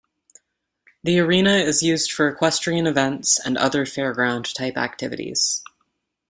The arena is used for equestrian events, and other fairground type activities.